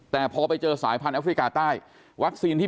แต่พอไปเจอสายพันธุ์แอฟริกาใต้